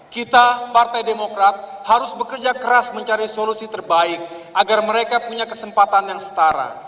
kita partai demokrat harus bekerja keras mencari solusi terbaik agar mereka punya kesempatan yang setara